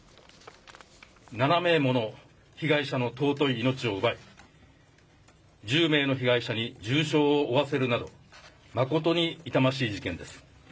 ７名もの被害者の尊い命を奪い、１０名の被害者に重傷を負わせるなど、誠に痛ましい事件です。